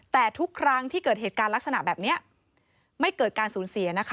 แต่ทุกครั้งที่เกิดเหตุการณ์ลักษณะแบบนี้ไม่เกิดการสูญเสียนะคะ